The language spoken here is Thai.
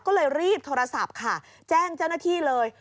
ก็เลยรีบโทรศัพท์ค่ะแจ้งเจ้าหน้าที่เลย